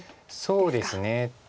そうですね。